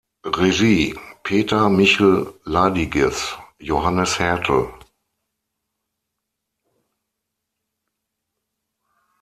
Regie: Peter Michel Ladiges, Johannes Hertel.